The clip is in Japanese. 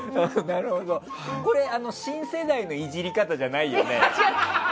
これ、新世代のイジり方じゃないよね？